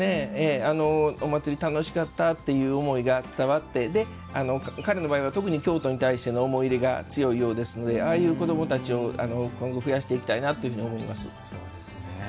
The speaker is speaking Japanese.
お祭り楽しかったっていう思いが伝わって彼の場合は特に京都に対する思い入れが強いようですのでああいう子どもたちを今後増やしていきたいなと思います。